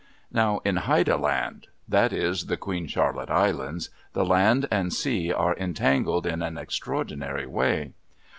Now in Haida Land, that is, the Queen Charlotte Islands, the land and sea are entangled in an extraordinary way.